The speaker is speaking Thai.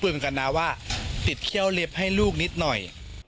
เหมือนกันนะว่าติดเขี้ยวเล็บให้ลูกนิดหน่อย